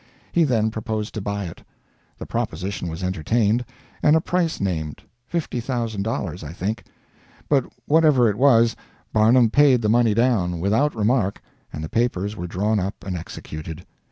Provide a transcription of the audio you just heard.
He then proposed to buy it. The proposition was entertained, and a price named $50,000, I think; but whatever it was, Barnum paid the money down, without remark, and the papers were drawn up and executed.